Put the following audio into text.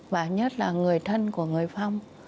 và nhất là người thân của người phong